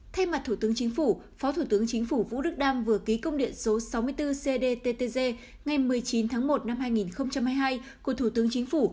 thay mặt thủ tướng chính phủ phó thủ tướng chính phủ vũ đức đam vừa ký công điện số sáu mươi bốn cdttg ngày một mươi chín tháng một năm hai nghìn hai mươi hai của thủ tướng chính phủ